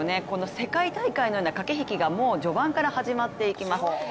この世界大会のような駆け引きがもう序盤から始まっていきます。